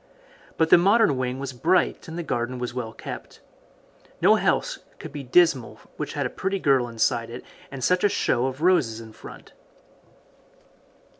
But the modern wing was bright and the garden was well kept. No house could be dismal which had a pretty girl inside it and such a show of roses in front.